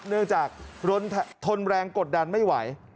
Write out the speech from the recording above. เนื่องจากทนแรงกดดันไม่ไหว